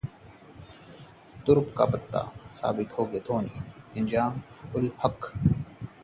'तुरुप का पत्ता' साबित होंगे धोनी: इंजमाम-उल-हक